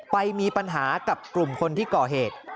ไปมีปัญหากับกลุ่มคนที่ก่อเหตุ